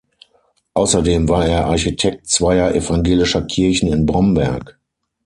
Außerdem war er Architekt zweier evangelischer Kirchen in Bromberg.